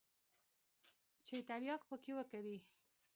چې ترياک پکښې وکري.